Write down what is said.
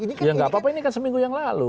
ya tidak apa apa ini kan seminggu yang lalu